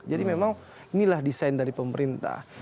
jadi memang inilah desain dari pemerintah